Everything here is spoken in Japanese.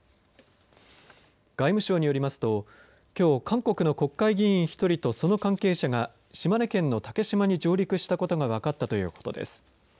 外務省によりますときょう韓国の国会議員１人とその関係者が島根県の竹島に上陸したことが分かったということです。